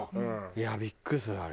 いやあビックリするあれ。